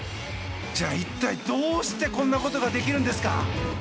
じゃあ一体どうしてこんなことができるんですか。